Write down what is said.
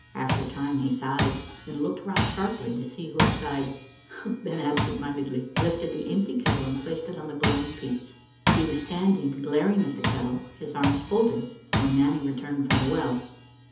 After a time he sighed, then looked round sharply to see who had sighed, then, absent mindedly, lifted the empty kettle and placed it on the glowing peats. He was standing glaring at the kettle, his arms folded, when Nanny returned from the well.